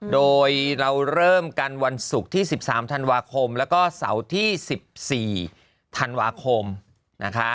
โดยเราเริ่มกันวันศุกร์ที่สิบสามธันวาคมแล้วก็เสาที่สิบสี่ธันวาคมนะคะ